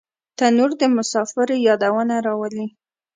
تنور د مسافر یادونه راولي